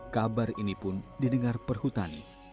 kabar ini pun didengar perhutani